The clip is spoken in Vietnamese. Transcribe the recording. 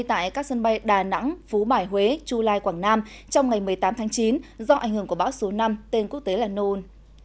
tại các sân bay đà nẵng phú bải huế chu lai quảng nam trong ngày một mươi tám tháng chín do ảnh hưởng của bão số năm tên quốc tế là nôn